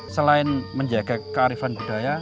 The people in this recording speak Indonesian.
selain menjaga kearifan budaya